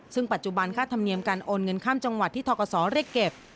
ซึ่งปัจจุบันค่าธรรมเนียมการโอนเงินข้ามจังหวัดที่ทกศเรียกเก็บ